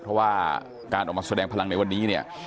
เพราะว่าการออกมาแสดงพลังในวันนี้เนี่ย